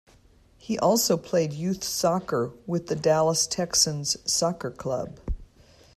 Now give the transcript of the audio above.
He also played youth soccer with the Dallas Texans Soccer Club.